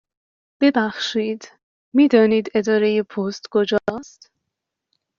ببخشید، می دانید اداره پست کجا است؟